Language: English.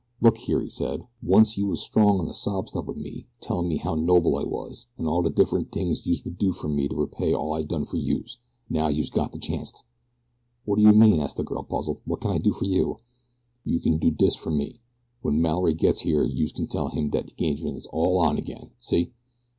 "Look here," he said. "Once youse was strong on de sob stuff wit me, tellin' me how noble I was, an' all de different tings youse would do fer me to repay all I done fer youse. Now youse got de chanct." "What do you mean?" asked the girl, puzzled. "What can I do for you?" "Youse kin do dis fer me. When Mallory gits here youse kin tell him dat de engagement is all on again see!"